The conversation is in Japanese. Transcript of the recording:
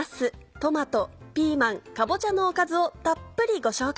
トマトピーマンかぼちゃのおかずをたっぷりご紹介。